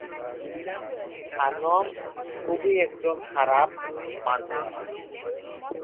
আলিয়া ভাটের পারফরম্যান্স উভয়েরই শ্রোতাদের ও সমালোচকদের দ্বারা প্রশংসিত।